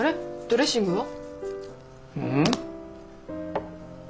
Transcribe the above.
ドレッシングは？